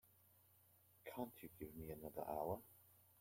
Can't you give me another hour?